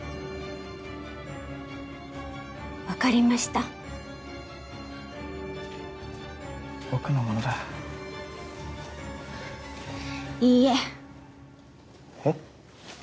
わかりました僕のものだいいええっ？